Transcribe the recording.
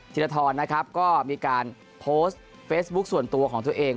ทรนะครับก็มีการโพสต์เฟซบุ๊คส่วนตัวของตัวเอง